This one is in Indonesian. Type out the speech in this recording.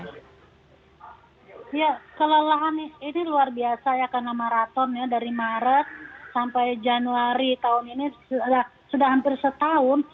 ya kelelahan ini luar biasa ya karena maraton ya dari maret sampai januari tahun ini sudah hampir setahun